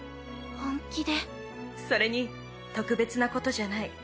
それに特別なことじゃない。